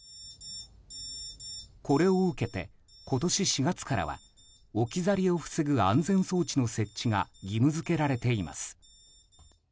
これを受けて、今年４月からは置き去りを防ぐ安全装置の設置が義務付けられています。